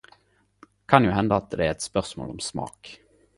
Det kan jo hende det er eit spørsmål om smak.